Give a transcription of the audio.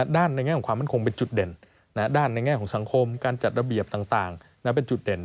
ในแง่ของความมั่นคงเป็นจุดเด่นด้านในแง่ของสังคมการจัดระเบียบต่างเป็นจุดเด่น